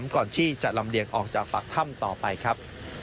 ก่อนที่จะลำเลียงออกจากปากถ้ำต่อไปครับ